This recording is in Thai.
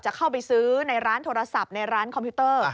เข้าไปซื้อในร้านโทรศัพท์ในร้านคอมพิวเตอร์